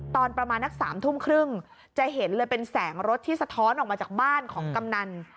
ตอนประมาณนัก๓ทุ่มครึ่งจะเห็นเลยเป็นแสงรถที่สะท้อนออกมาจากบ้านของกำนัน